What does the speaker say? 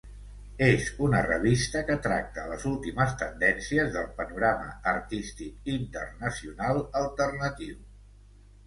És una revista que tracta les últimes tendències del panorama artístic internacional alternatiu.